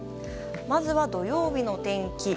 まずは土曜日の天気。